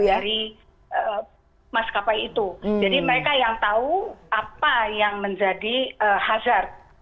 dari maskapai itu jadi mereka yang tahu apa yang menjadi hazard